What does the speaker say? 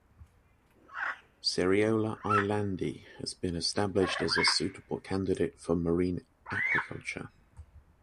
"Seriola lalandi" has been established as a suitable candidate for marine aquaculture.